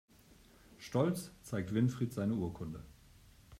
Stolz zeigt Winfried seine Urkunde.